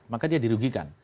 maka dia dirugikan